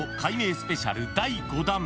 スペシャル第５弾。